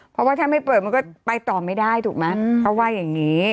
เพราะว่าถ้าไม่เปิดมันก็ไปต่อไม่ได้ถูกไหมเขาว่าอย่างนี้